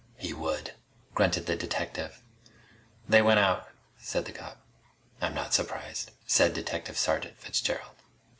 "He would," grunted the detective. "They want out," said the cop. "I'm not surprised," said Detective Sergeant Fitzgerald.